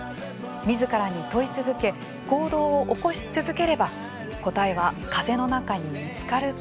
みずからに問い続け行動を起こし続ければ答えは風の中に見つかるかもしれない。